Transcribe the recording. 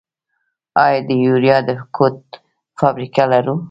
آیا د یوریا کود فابریکه لرو؟